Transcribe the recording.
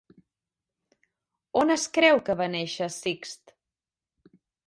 On es creu que va néixer Sixt?